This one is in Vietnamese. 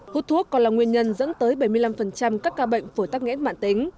hút thuốc còn là nguyên nhân dẫn tới bảy mươi năm các ca bệnh phổi tắc nghẽn mạng tính